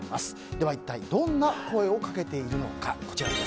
では一体どんな声をかけているのか。